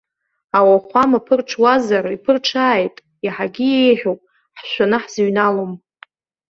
Ауахәама ԥырҽуазар, иԥырҽааит, иаҳагьы еиӷьуп, ҳшәаны ҳзыҩналом.